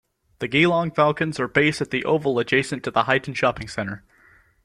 The Geelong Falcons are based at the oval adjacent to the Highton Shopping Centre.